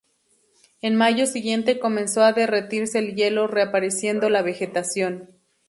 En mayo siguiente comenzó a derretirse el hielo reapareciendo la vegetación.